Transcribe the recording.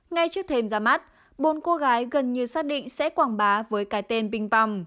ngay trước thêm ra mắt bốn cô gái gần như xác định sẽ quảng bá với cái tên binh pầm